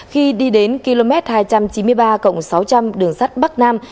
khi đi đến km hai trăm chín mươi ba cộng sáu trăm linh đường sắt bắc nam